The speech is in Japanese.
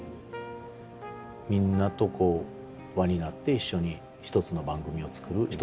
みんなとこう輪になって一緒に一つの番組を作る。